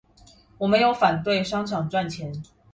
我沒有反對商場賺錢